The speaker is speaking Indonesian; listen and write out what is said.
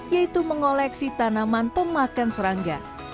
yaitu mengoleksi tanaman pemakan serangga